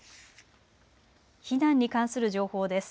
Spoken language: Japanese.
避難に関する情報です。